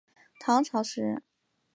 唐朝诗人。